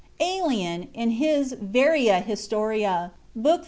Ælian, in his "Varia Historia" (book iii.